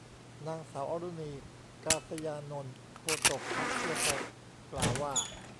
นางสาวอรุณี กาสยานนท์ โฆษกพรรคเพื่อไทย กล่าวว่า